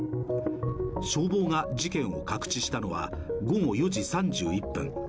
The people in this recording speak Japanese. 消防が事件を覚知したのは午後４時３１分。